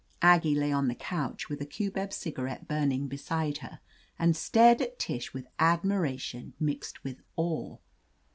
Aggie lay on the couch with a cubeb cigarette burning beside her, and stared at Tish with admiration mixed with awe.